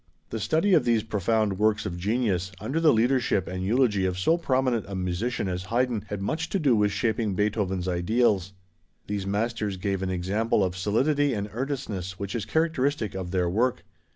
The study of these profound works of genius under the leadership and eulogy of so prominent a musician as Haydn had much to do with shaping Beethoven's ideals. These masters gave an example of solidity and earnestness which is characteristic of their work.